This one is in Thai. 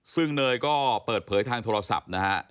ซึ่งเนยก็เปิดเผยทางโทรศัพท์นะฮะ